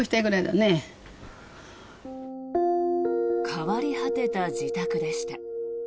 変わり果てた自宅でした。